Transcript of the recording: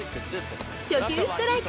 初球ストライク。